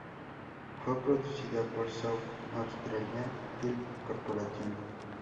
Fue producida por South Australian Film Corporation.